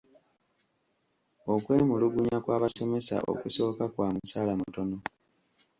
Okwemulugunya kw'abasomesa okusooka kwa musaala mutono.